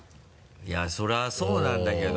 いやそれはそうなんだけど。